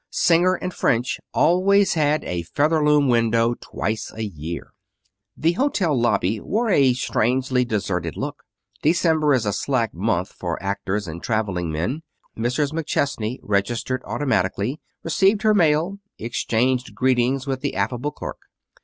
Singer & French always had a Featherloom window twice a year. The hotel lobby wore a strangely deserted look. December is a slack month for actors and traveling men. Mrs. McChesney registered automatically, received her mail, exchanged greetings with the affable clerk.